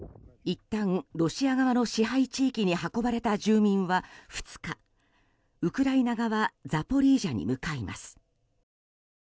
いったんロシア側の支配地域に運ばれた住民は２日、ウクライナ側ザポリージャに向かいます。